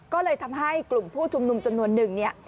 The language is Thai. ก็เลยทำให้กลุ่มผู้ชุมนุมจำนวนหนึ่งเนี่ย